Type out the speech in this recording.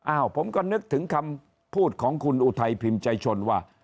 ผมก็นึกถึงคำพูดของคุณอุทัยพิมพ์ใจชนว่า